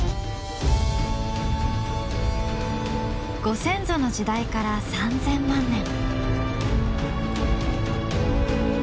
ご先祖の時代から３，０００万年。